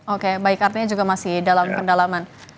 oke baik artinya juga masih dalam pendalaman